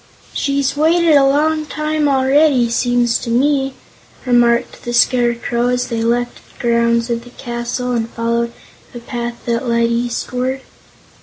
"She's waited a long time already, seems to me," remarked the Scarecrow, as they left the grounds of the castle and followed a path that led eastward.